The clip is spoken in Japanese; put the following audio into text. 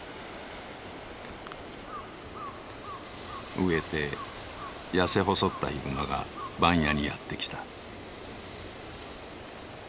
飢えて痩せ細ったヒグマが番屋にやって来た。